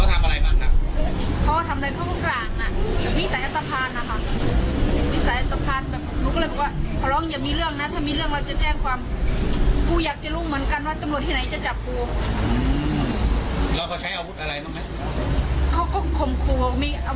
ตรงกลางอ่ะเพราะว่าทำอะไรเข้าตรงกลางอ่ะมีสายอัตภาพนะคะมีสายอัตภาพ